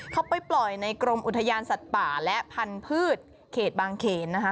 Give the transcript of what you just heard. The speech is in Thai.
เขาไปปล่อยในกรมอุทยานสัตว์ป่าและพันธุ์เขตบางเขนนะคะ